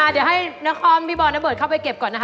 เดี๋ยวให้พี่บอลพี่เบิร์ดเข้าไปเก็บก่อนนะครับ